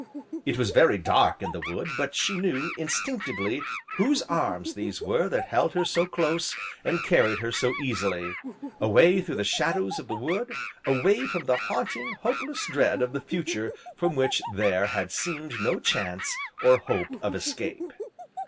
It was very dark in the wood, but she knew, instinctively, whose arms these were that held her so close, and carried her so easily away through the shadows of the wood, away from the haunting, hopeless dread of the future from which there had seemed no chance, or hope of escape.